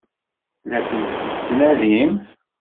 La ten-tettnadim?